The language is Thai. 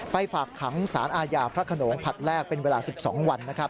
ฝากขังสารอาญาพระขนงผัดแรกเป็นเวลา๑๒วันนะครับ